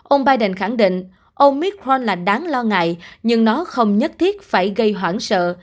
ông biden khẳng định omicron là đáng lo ngại nhưng nó không nhất thiết phải gây hoảng sợ